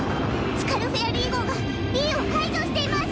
スカルフェアリー号がビーを排除しています！